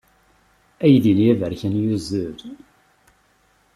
Aydi-nni aberkan yuzzel.